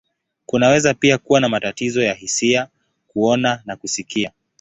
Kunaweza pia kuwa na matatizo ya hisia, kuona, na kusikia.